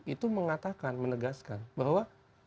itu mengatakan menegaskan bahwa